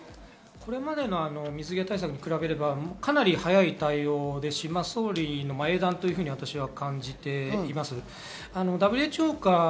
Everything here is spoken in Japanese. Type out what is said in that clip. これまでの水際対策に比べれば、かなり早い対応ですし、総理の英断だと感じています。